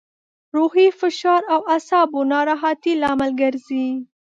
روحي فشار او اعصابو ناراحتي لامل ګرځي.